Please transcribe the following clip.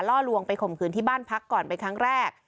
ลวงไปข่มขืนที่บ้านพักก่อนเป็นครั้งแรก